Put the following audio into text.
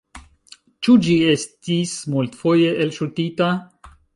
Ĉu ĝi estis multfoje elŝutita?